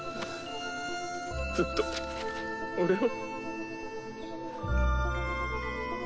ずっと俺を。